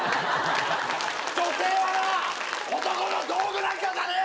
女性はな男の道具なんかじゃねえぞ！